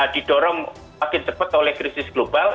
didorong makin cepat oleh krisis global